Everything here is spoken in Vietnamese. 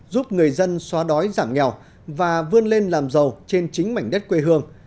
giúp người dân xóa đói giảm nghèo và vươn lên làm giàu trên chính mảnh đất quê hương